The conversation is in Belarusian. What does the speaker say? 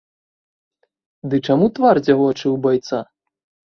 Ды чаму твар дзявочы ў байца?